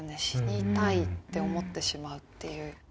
「死にたい」って思ってしまうっていう。